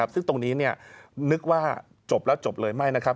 ซึ่งตรงนี้นึกว่าจบแล้วจบเลยไม่นะครับ